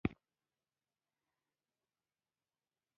دا اړیکه د جاذبې قوې په پایله کې جوړیږي.